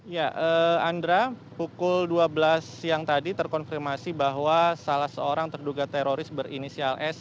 ya andra pukul dua belas siang tadi terkonfirmasi bahwa salah seorang terduga teroris berinisial s